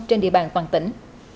trên địa bàn toàn tỉnh